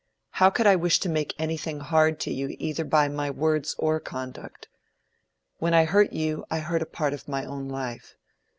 How could I wish to make anything hard to you either by my words or conduct? When I hurt you, I hurt part of my own life.